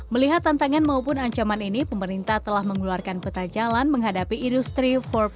melihat tantangan maupun ancaman ini pemerintah telah mengeluarkan peta jalan menghadapi industri empat